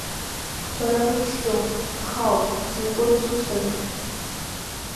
Бара быԥшӡоуп, бхаауп, бзымго дзусҭада?!